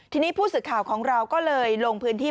ทีนี้ผู้สื่อข่าวของเราก็เลยลงพื้นที่